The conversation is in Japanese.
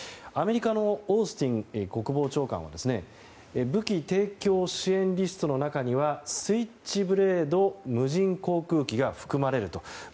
アメリカのオースティン国防長官は武器提供支援リストの中にはスイッチブレード無人航空機が含まれると。